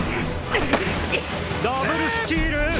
ダブルスチール！